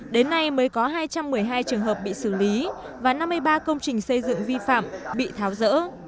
đến nay mới có hai trăm một mươi hai trường hợp bị xử lý và năm mươi ba công trình xây dựng vi phạm bị tháo rỡ